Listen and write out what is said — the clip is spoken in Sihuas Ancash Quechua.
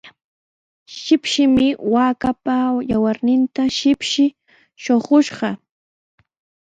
Chikchimi waakaapa yawarninta shipshi shuqushqa.